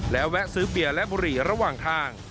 และแวะซื้อเบียร์และบุหรี่ระหว่างทาง